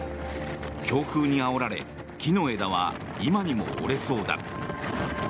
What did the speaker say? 強風にあおられ木の枝は今にも折れそうだ。